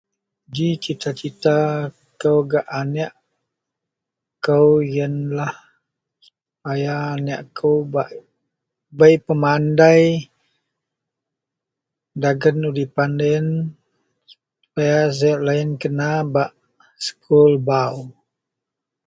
Ji cita-cita kou gak anek kou iyenlah supaya anek kou bak bei pemandai dagen udipan loyen supaya loyen kena bak sekul bau.